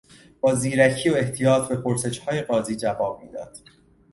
با زیرکی و احتیاط به پرسشهای قاضی جواب میداد.